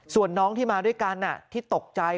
ส่วนน้องที่มาด้วยกันที่ตกใจ